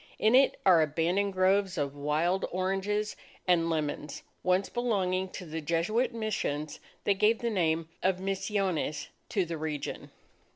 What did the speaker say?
In it are abandoned groves of wild oranges and lemons, once belonging to the Jesuit Missions, that gave the name of Misiones to the region.